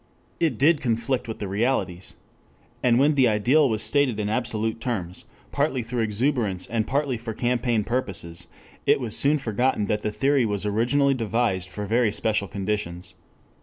It did conflict with the realities. And when the ideal was stated in absolute terms, partly through exuberance and partly for campaign purposes, it was soon forgotten that the theory was originally devised for very special conditions.